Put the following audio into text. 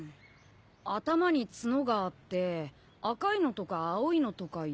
頭に角があって赤いのとか青いのとかいて。